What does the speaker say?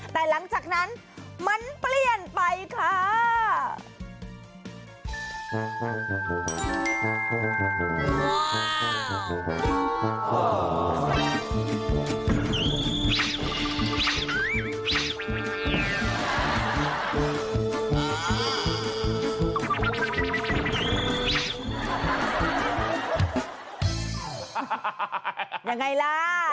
แต่หลังจากนั้นมันเปลี่ยนไปค่ะ